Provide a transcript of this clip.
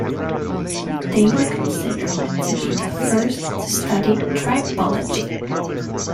They were considered to be the first to study trybology.